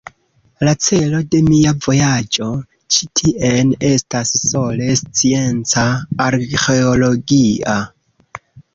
La celo de mia vojaĝo ĉi tien estas sole scienca, arĥeologia.